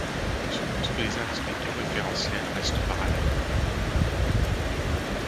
On suppose que les axes des deux référentiels restent parallèles.